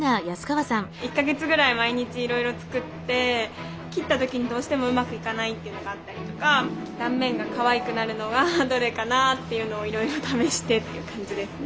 １か月ぐらい毎日いろいろ作って切った時にどうしてもうまくいかないっていうのがあったりとか断面がかわいくなるのがどれかなっていうのをいろいろ試してって感じですね。